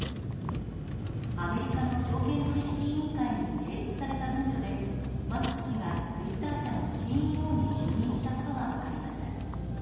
アメリカの証券取引委員会に提出された文書でマスク氏が、ツイッター社のＣＥＯに就任したことが分かりました。